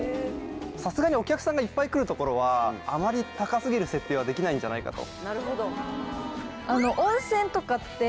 さすがにお客さんがいっぱい来る所はあまり高過ぎる設定はできないんじゃないかと。